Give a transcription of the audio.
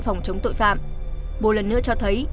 phòng chống tội phạm bộ lần nữa cho thấy